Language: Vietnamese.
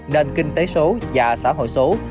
nền kinh tế số và xã hội số